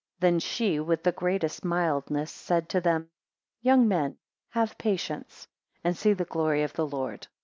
Then she with the (greatest) mildness said to them: Young men have patience, and see the glory of the Lord.